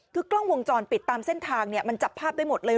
คือกล้องวงจรปิดตามเส้นทางเนี่ยมันจับภาพได้หมดเลย